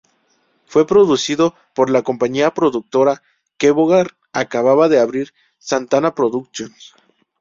Fue producido por la compañía productora que Bogart acababa de abrir: Santana Productions.